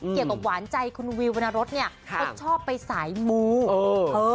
เกี่ยวกับหวานใจคุณวิวนรตเขาชอบไปสายมูห์